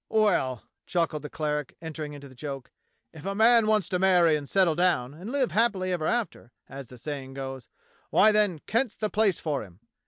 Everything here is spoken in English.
"Well," chuckled the cleric, entering into the joke, "if a man wants to marry and settle down, and live happily ever after, as the saying goes, why, then, Kent's the place for him.